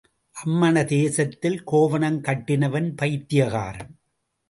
அம்மண தேசத்திலே கோவணம் கட்டினவன் பைத்தியக்காரன்.